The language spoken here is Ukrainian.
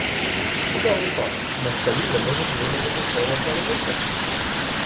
Цікавий факт: москалі не можуть вимовити слово "паляниця".